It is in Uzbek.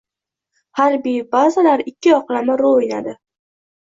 Harbiy bazalar ikki yoqlama rol o‘ynadi